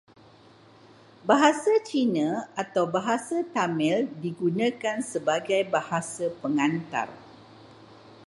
Bahasa Cina atau Bahasa Tamil digunakan sebagai bahasa pengantar.